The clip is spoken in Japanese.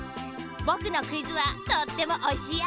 ぼくのクイズはとってもおいしいよ！